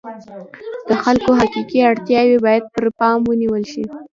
د خلکو حقیقي اړتیاوې باید پر پام ونیول شي.